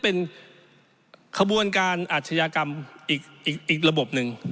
เป็นขบวนการอาชญากรรมอีกระบบหนึ่ง